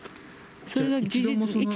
それが事実。